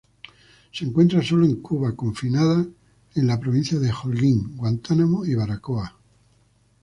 Se encuentra solo en Cuba, confinada a la Provincia de Holguín, Guantánamo y Baracoa.